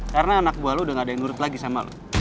karena anak buah lo udah nggak ada yang nurut lagi sama lo